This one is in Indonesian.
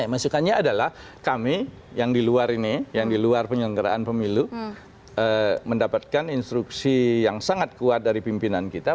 masukannya adalah kami yang di luar ini yang di luar penyelenggaraan pemilu mendapatkan instruksi yang sangat kuat dari pimpinan kita